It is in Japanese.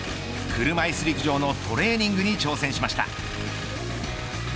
車いす陸上のトレーニングに挑戦しました。